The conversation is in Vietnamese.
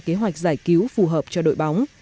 kế hoạch giải cứu phù hợp cho đội bóng